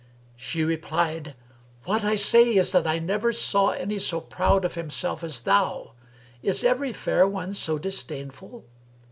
She replied, "What I say is that I never saw any so proud of himself as thou. Is every fair one so disdainful?